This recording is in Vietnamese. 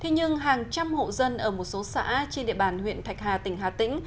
nhưng hàng trăm hộ dân ở một số xã trên địa bàn huyện thạch hà tỉnh hà tĩnh